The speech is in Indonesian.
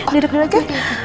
duduk dulu aja